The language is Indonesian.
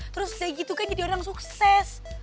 terus kayak gitu kan jadi orang sukses